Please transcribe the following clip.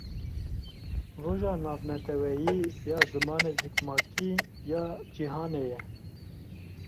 Roja Navneteweyî ya Zimanê Zikmakî Ya Cîhanê ye.